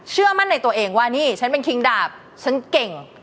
เชื่อมั่นในตัวเองว่านี่ฉันเป็นคิงดาบฉันเก่ง